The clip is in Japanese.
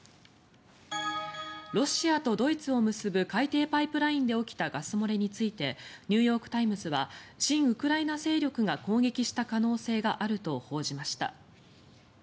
ロシアとドイツを結ぶ海底パイプラインで起きたガス漏れについてニューヨーク・タイムズは親ウクライナ勢力が攻撃した可能性があると報じました。